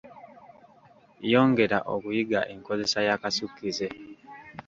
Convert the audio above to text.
Yongera okuyiga enkozesa y’Akasukkize.